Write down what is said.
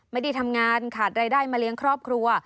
ไม่ได้ทำงานขาดรายได้มาเลี้ยงครอบครัว